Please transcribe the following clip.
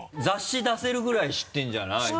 雑誌出せるぐらい知ってるんじゃない？